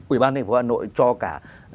ủy ban thành phố hà nội cho cả